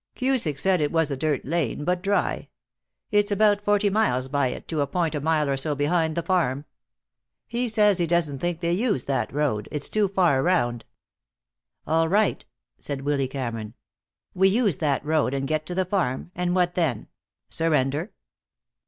Cusick said it was a dirt lane, but dry. It's about forty miles by it to a point a mile or so behind the farm. He says he doesn't think they use that road. It's too far around." "All right," said Willy Cameron. "We use that road, and get to the farm, and what then? Surrender?"